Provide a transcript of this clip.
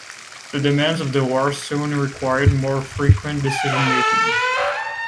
The demands of the war soon required more frequent decision-making.